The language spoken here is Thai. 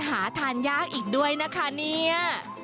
หาทานยากอีกด้วยนะคะเนี่ย